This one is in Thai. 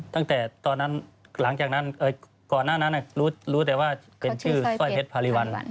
ตั้งแต่ตอนนั้นหลังจากนั้นก่อนหน้านั้นรู้แต่ว่าเป็นชื่อสร้อยเพชรพารีวัล